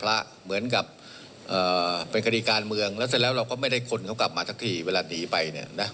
แล้วเสร็จแล้วเราก็ไม่ได้คนเขากลับมาทักทีเวลานีไป